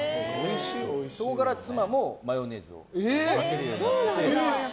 そこから妻もマヨネーズをかけるようになって。